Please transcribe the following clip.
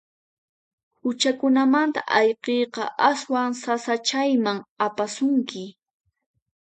Huchakunamanta ayqiyqa aswan sasachayman apasunki.